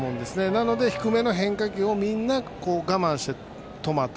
なので低めの変化球をみんな我慢して止まった。